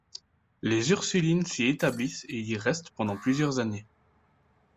Les Ursulines s'y établissent et y restent pendant plusieurs années.